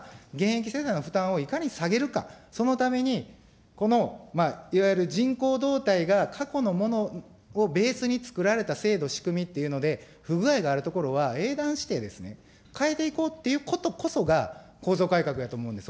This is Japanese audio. だから私たちは、現役世代の負担をいかに下げるか、そのために、このいわゆる人口動態が過去のものをベースに作られた制度、仕組みっていうので、不具合があるところは英断してですね、変えていこうっていうことこそが、構造改革やと思うんです。